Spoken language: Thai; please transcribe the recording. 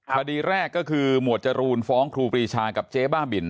คดีแรกก็คือหมวดจรูนฟ้องครูปรีชากับเจ๊บ้าบิน